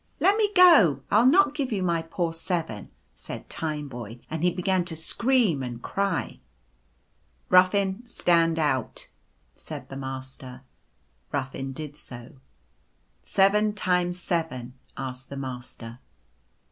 "Let me go. Fll not give you my poor Seven," said Tineboy, and he began to scream and cry. u Ruffin, stand out," said the Master. Ruffin did so. " Seven times seven ?" asked the Master.